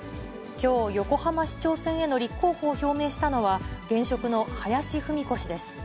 きょう横浜市長選への立候補を表明したのは、現職の林文子氏です。